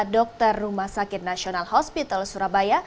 dokter rumah sakit nasional hospital surabaya